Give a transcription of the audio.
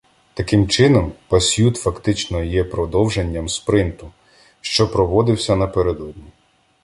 Таким чином, пасьют фактично є продовженням спринту, що проводився напередодні.